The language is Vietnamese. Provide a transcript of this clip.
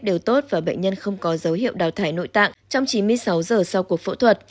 đều tốt và bệnh nhân không có dấu hiệu đào thải nội tạng trong chín mươi sáu giờ sau cuộc phẫu thuật